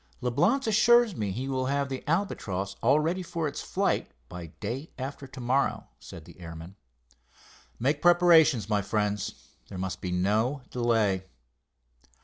"Leblance assures me he will have the Albatross all ready for its flight by day after to morrow," said the airman. "Make preparations, my friends. There must be no delay."